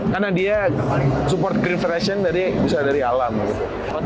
karena dia support green flation dari bisa dari alam gitu